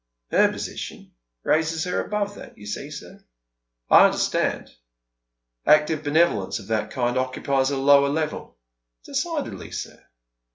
Her position raises her above that, you see, sir." " I understand. Active benevolence of that kind occupies a lower level." " Decidedly, sir.